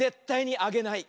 あげない⁉